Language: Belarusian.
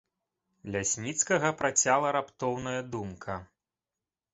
Лясніцкага працяла раптоўная думка.